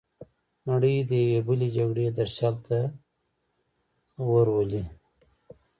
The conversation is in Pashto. نړۍ د یوې بلې جګړې درشل ته ورولي.